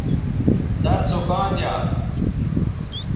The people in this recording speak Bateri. در سو کاں دیا